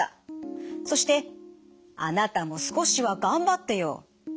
そして「あなたも少しはがんばってよ！」